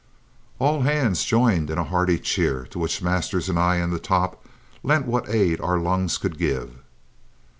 All hands joined in a hearty cheer, to which Masters and I in the top lent what aid our lungs could give.